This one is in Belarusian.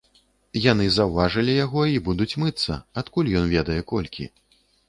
Яны заўважылі яго і будуць мыцца, адкуль ён ведае колькі?